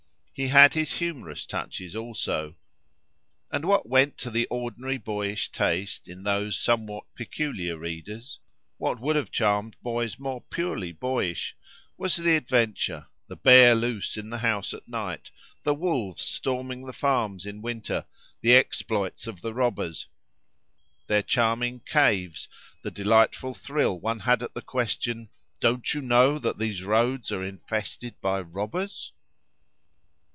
He had his humorous touches also. And what went to the ordinary boyish taste, in those somewhat peculiar readers, what would have charmed boys more purely boyish, was the adventure:—the bear loose in the house at night, the wolves storming the farms in winter, the exploits of the robbers, their charming caves, the delightful thrill one had at the question—"Don't you know that these roads are infested by robbers?"